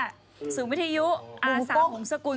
ก็รายงานว่าศูนย์วิทยุอาสาหงษ์สกุล